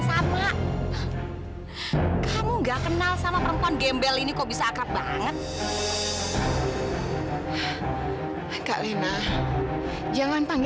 sampai jumpa di video selanjutnya